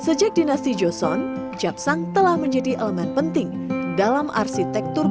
selain itu keberadaan japsang juga diyakini sebagai penolak bala dan energi negatif